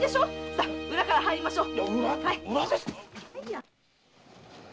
さあ裏から入りましょう！